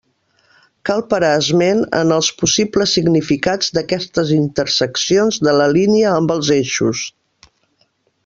Cal parar esment en els possibles significats d'aquestes interseccions de la línia amb els eixos.